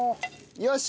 よし！